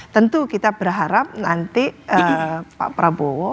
tentu kita berharap nanti pak prabowo